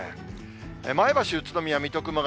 前橋、宇都宮、水戸、熊谷。